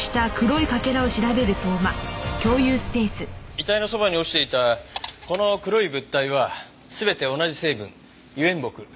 遺体のそばに落ちていたこの黒い物体は全て同じ成分油煙墨墨でした。